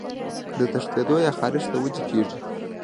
د تښنېدو يا خارښ له وجې کيږي